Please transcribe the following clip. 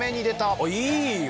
あっいいよ！